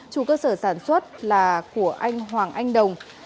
chủ cơ sở sản xuất là của anh hoàng anh đồng